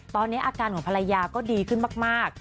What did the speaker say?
ตอนนี้อาการของภรรยาก็ดีขึ้นมาก